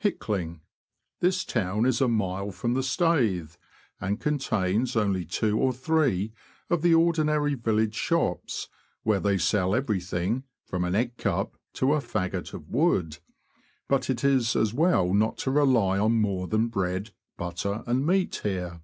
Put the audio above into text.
Hickling. — This town is a mile from the Staithe, and contains only two or three of the ordinary village shops, where they sell everything — from an egg cup to a faggot of w^ood; but it is as well not to rely on more than bread, butter, and meat here.